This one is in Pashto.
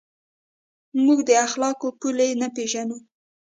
موږ د اخلاقو پولې نه پېژنو.